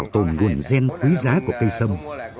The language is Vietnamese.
một tùm nguồn gen quý giá của cây sâm